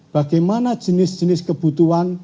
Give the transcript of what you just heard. bagaimana jenis jenis kebutuhan